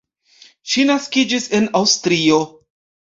Ŝi naskiĝis en Aŭstrio.